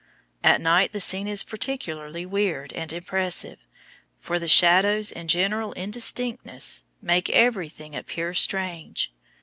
At night the scene is particularly weird and impressive, for the shadows and general indistinctness make everything appear strange.